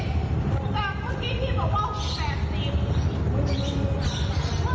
คันเดียว๖๐โอเค